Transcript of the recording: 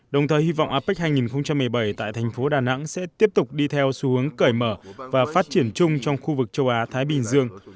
đồng thời hy vọng apec hai nghìn một mươi bảy tại thành phố đà nẵng sẽ tiếp tục đi theo xu hướng cởi mở và phát triển chung trong khu vực châu á thái bình dương